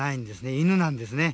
犬なんですね。